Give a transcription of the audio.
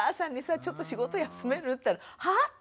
「ちょっと仕事休める？」って言ったら「はあ？」って言って。